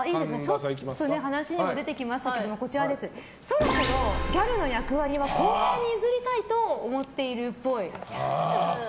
ちょっと話にも出てきましたけどそろそろギャルの役割は後輩に譲りたいと思っているっぽい。